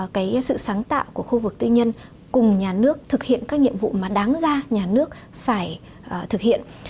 cái sự sáng tạo của khu vực tư nhân cùng nhà nước thực hiện các nhiệm vụ mà đáng ra nhà nước phải thực hiện